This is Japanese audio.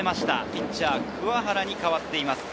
ピッチャー・鍬原に代わっています。